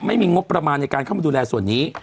ไม่มีงบประมาณในการเข้ามาดูแลส่วนนี้